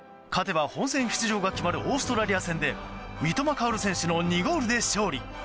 勝てば本戦出場が決まるオーストラリア戦で三笘薫選手の２ゴールで勝利！